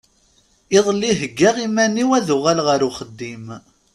Iḍelli heggeɣ iman-is ad uɣaleɣ ar uxeddim.